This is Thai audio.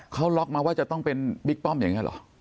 เขาล็อกมาว่าจะต้องเป็นบิ๊กป้อมอย่างนี้เหรอ